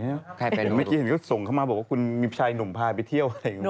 เมื่อกี้เห็นก็ส่งเขามาบอกว่ามีชายหนุ่มพาไปเที่ยว